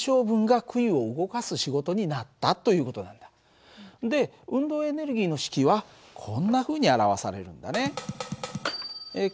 つまりで運動エネルギーの式はこんなふうに表されるんだね。